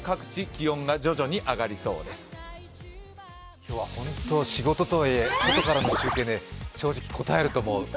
今日はほんと、仕事とはいえ外からの中継で正直、こたえると思う。